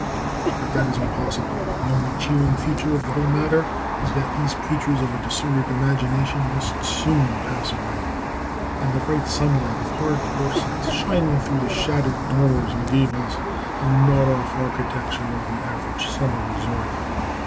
But that is impossible. The only cheering feature of the whole matter is that these creatures of a disordered imagination must soon pass away, and the bright sunlight of hard horse sense shine in through the shattered dormers and gables and gnawed off architecture of the average summer resort.